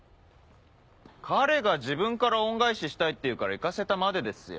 彼が自分から恩返ししたいって言うから行かせたまでですよ。